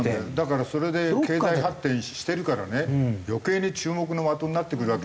だからそれで経済発展してるからね余計に注目の的になってくるわけじゃない？